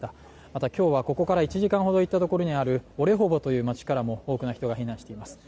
また今日はここから１時間ほど行ったところにある、オレホボという街からも多くの人が避難しています。